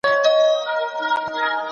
د پښتو ژبي دپاره باید مالي امکانات برابر سي